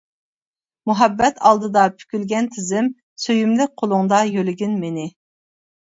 مۇھەببەت ئالدىدا پۈكۈلگەن تىزىم، سۆيۈملۈك قولۇڭدا يۆلىگىن مېنى.